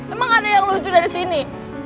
emang ada yang lucu dari sini